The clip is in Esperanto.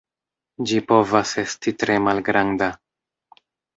Ĝi povas esti tre malgranda.